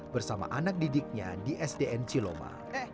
bersama anak didiknya di sdn ciloma